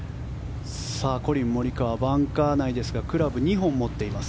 コリン・モリカワバンカー内ですがクラブ、２本持っています。